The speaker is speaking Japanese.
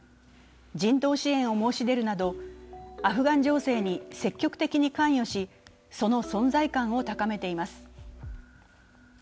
人道支援を申し出るなど、アフガン情勢に積極的に関与し、その存在感を高めています。